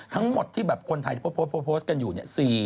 ทั้งหมดที่แบบคนไทยโพสต์กันอยู่เนี่ย๔๓๘ล้าน